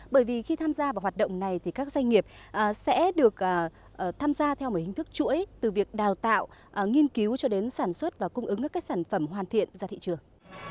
bởi vì khi tham gia vào hoạt động này thì các doanh nghiệp sẽ được tham gia theo một hình thức chuỗi từ việc đào tạo nghiên cứu cho đến sản xuất và cung ứng các sản phẩm hoàn thiện ra thị trường